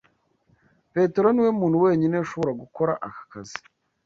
Petero niwe muntu wenyine ushobora gukora aka kazi.